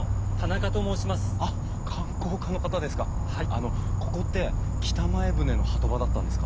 あのここって北前船の波止場だったんですか？